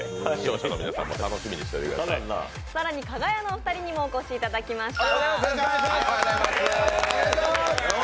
更にかが屋のお二人にもお越しいただきました。